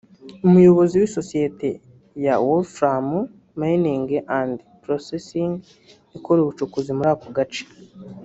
Umuyobozi w’ isosiyete ya Wolfram Mining and Processing ikora ubucukuzi muri ako gace